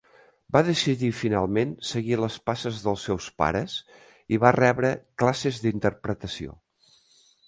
Va decidir finalment seguir les passes dels seus pares i va rebre classes d'interpretació.